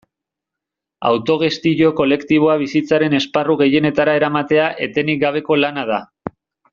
Autogestio kolektiboa bizitzaren esparru gehienetara eramatea etenik gabeko lana da.